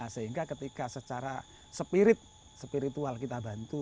sehingga ketika secara spirit spiritual kita bantu